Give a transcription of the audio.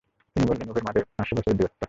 তিনি বললেনঃ উভয়ের মাঝে পাঁচশ বছরের দূরত্ব।